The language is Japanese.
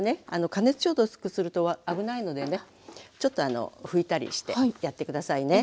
加熱消毒すると危ないのでねちょっと拭いたりしてやって下さいね。